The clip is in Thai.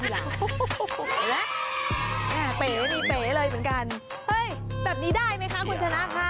เห็นไหมแม่เป๋นี่เป๋เลยเหมือนกันเฮ้ยแบบนี้ได้ไหมคะคุณชนะค่ะ